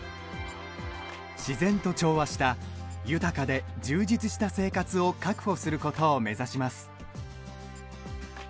自然と調和した豊かで充実した生活を確保することを目指します。